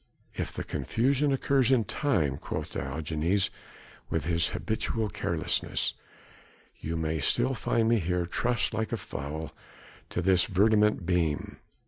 "If the confusion occurs in time," quoth Diogenes with his habitual carelessness, "you may still find me here trussed like a fowl to this verdommte beam.